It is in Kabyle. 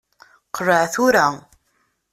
Qleɛ tura.